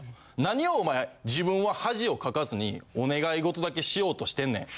何をお前自分は恥をかかずにお願い事だけしようとしてんねん」。